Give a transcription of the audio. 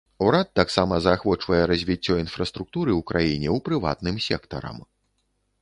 Урад таксама заахвочвае развіццё інфраструктуры ў краіне ў прыватным сектарам.